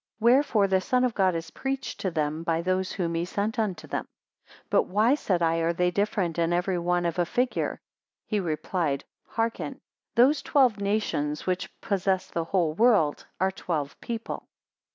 Wherefore the Son of God is preached to them, by those whom he sent unto them. 163 But why, said I, are they different, and every one of a figure? He replied, Hearken. Those twelve nations which possess the whole world, are twelve people.